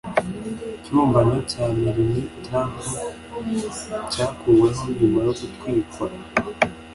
ikibumbano cya Melanie trump cyakuweho nyuma yo gutwikwa